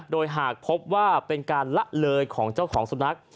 โดยหากพบว่าเป็นการละเลยของเจ้าของสุนัข